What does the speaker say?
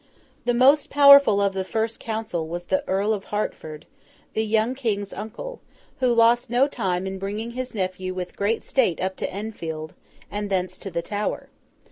The most powerful of the first council was the Earl of Hertford, the young King's uncle, who lost no time in bringing his nephew with great state up to Enfield, and thence to the Tower.